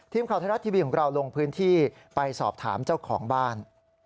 ทีมข่าวไทยรัฐทีวีของเราลงพื้นที่ไปสอบถามเจ้าของบ้าน